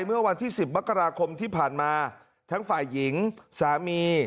เมื่อวันที่๑๐มกราคมที่ผ่านมาทั้งฝ่ายหญิงสามี